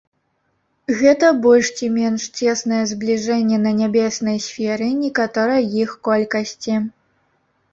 Гэта больш ці менш цеснае збліжэнне на нябеснай сферы некаторай іх колькасці.